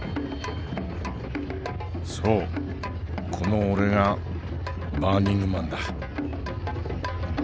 「そうこの俺がバーニングマンだ」。